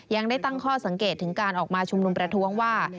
ยังได้ตั้งข้อสังเกตถึงการออกมาชุมนุมประท้วงว่า